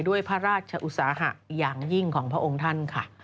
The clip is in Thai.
ด้วยพระราชอุตสาหะอย่างยิ่งของพระองค์ท่านค่ะ